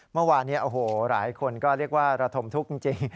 เมื่อวานนี้โอ้โหหลายคนก็เรียกว่าระทมทุกข์จริง